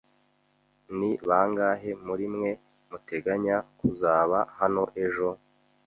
Ni bangahe muri mwe muteganya kuzaba hano ejo?